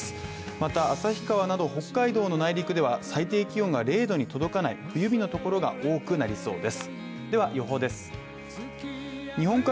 また旭川など北海道の内陸では最低気温が０℃に届かない冬日のところが多くなりそうです。